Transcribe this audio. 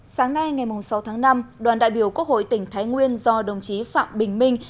sáng nay ngày sáu tháng năm đoàn đại biểu quốc hội tỉnh thái nguyên do đồng chí phạm bình minh